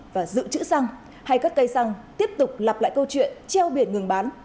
và giữ chữ xăng hay cắt cây xăng tiếp tục lặp lại câu chuyện treo biển ngừng bán